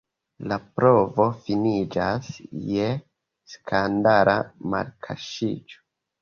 La provo finiĝas je skandala malkaŝiĝo.